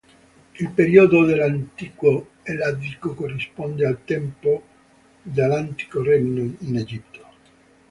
Il periodo dell'antico elladico corrisponde al tempo dell'Antico Regno in Egitto.